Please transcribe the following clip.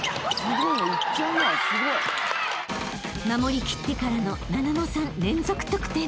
［守り切ってからのななのさん連続得点］